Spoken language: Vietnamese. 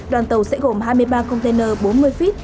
đoàn tàu sẽ gồm hai mươi ba container bốn mươi feet